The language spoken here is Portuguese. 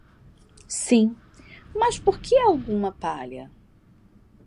Sim, mas por que há alguma palha?